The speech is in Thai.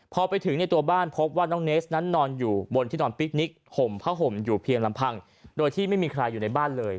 พอไปถึงในตัวบ้านพบว่าน้องเนสนั้นนอนอยู่บนที่นอนปิ๊กนิกห่มผ้าห่มอยู่เพียงลำพังโดยที่ไม่มีใครอยู่ในบ้านเลย